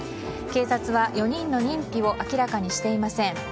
警察は４人の認否を明らかにしていません。